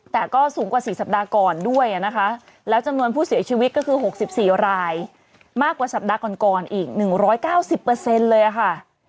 แต่ก็สูงกว่า๔สัปดาห์ก่อนด้วยนะคะแล้วจำนวนผู้เสียชีวิตก็คือ๖๔รายมากกว่าสัปดาห์ก่อนอีก๑๙๐เลยค่ะ